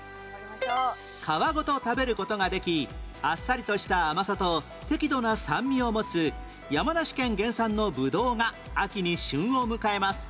皮ごと食べる事ができあっさりとした甘さと適度な酸味を持つ山梨県原産のブドウが秋に旬を迎えます